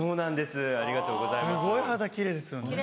すごい肌奇麗ですよね。